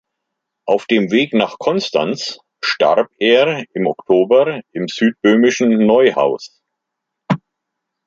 Auf dem Weg nach Konstanz starb er im Oktober im südböhmischen Neuhaus.